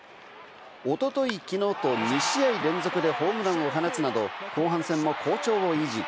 おととい、きのうと２試合連続でホームランを放つなど、後半戦も好調を維持。